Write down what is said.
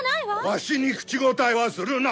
「わしに口答えはするな。